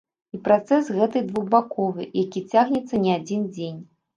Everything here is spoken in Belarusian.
І працэс гэты двухбаковы, які цягнецца не адзін дзень.